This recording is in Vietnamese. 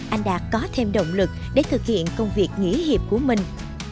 anh đạt có thêm động lực để thực hiện công việc nghỉ hiệp của mình